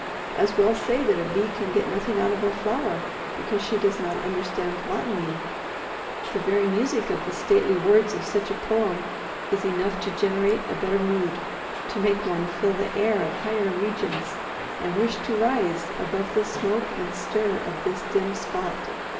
As well say that a bee can get nothing out of a flower, because she does not understand botany. The very music of the stately words of such a poem is enough to generate a better mood, to make one feel the air of higher regions, and wish to rise "above the smoke and stir of this dim spot".